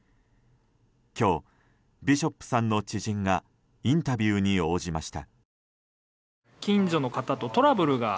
今日、ビショップさんの知人がインタビューに応じました。